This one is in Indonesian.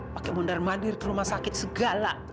pakai mondar mandir ke rumah sakit segala